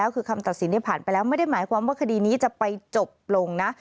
คือคำตัดสินที่ผ่านไปแล้วไม่ได้หมายความว่าคดีนี้จะไปจบลงนะ